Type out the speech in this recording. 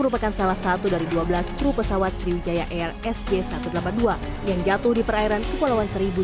merupakan salah satu dari dua belas kru pesawat sriwijaya air sj satu ratus delapan puluh dua yang jatuh di perairan kepulauan seribu